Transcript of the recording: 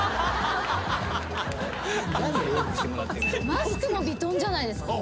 マスクもヴィトンじゃないですか？